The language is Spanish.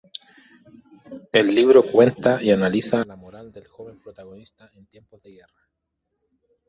El libro cuenta y analiza la moral del joven protagonista en tiempos de guerra.